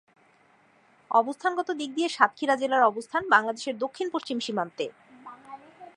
অবস্থানগত দিক দিয়ে সাতক্ষীরা জেলার অবস্থান বাংলাদেশের দক্ষিণ-পশ্চিম সীমান্তে।